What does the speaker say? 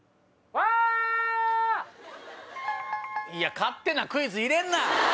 勝手なクイズ入れんな！